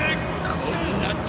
こんな力！